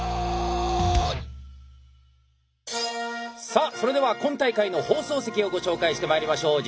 さあそれでは今大会の放送席をご紹介してまいりましょう。